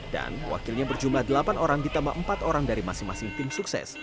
dan wakilnya berjumlah delapan orang ditambah empat orang dari masing masing tim sukses